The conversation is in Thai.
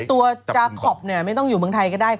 ตัวจาคอปเนี่ยไม่ต้องอยู่เมืองไทยก็ได้